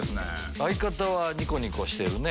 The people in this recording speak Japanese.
相方はニコニコしてるね。